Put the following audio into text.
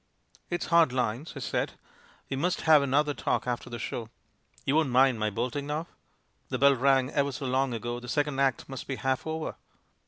"It's hard lines," I said. "We must have an FRANKENSTEIN II 65 other talk after the show. You won't mind my bolting now? The bell rang ever so long ago; the second act must be half over."